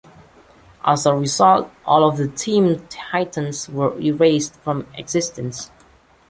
As a result, all of the Team Titans were erased from existence.